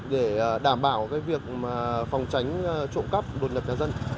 để đảm bảo việc phòng tránh trộm cắp đột nhập nhà dân